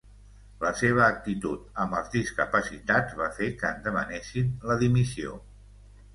La seva actitud amb els discapacitats va fer que en demanessin la dimissió.